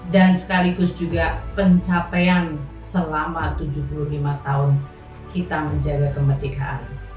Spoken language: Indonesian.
dan sekaligus juga pencapaian selama tujuh puluh lima tahun kita menjaga kemerdekaan